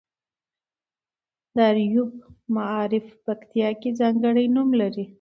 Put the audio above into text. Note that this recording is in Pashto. د اریوب معارف پکتیا کې ځانګړی نوم لري.